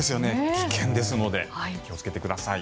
危険ですので気をつけてください。